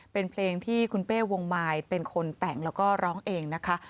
เป็นเพลงที่คุณเป้วงมายเป็นคนแต่งแล้วก็ร้องเองนะคะ